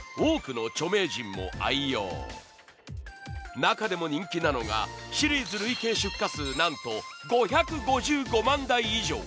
中でも人気なのがシリーズ累計出荷数なんと５５０万台以上。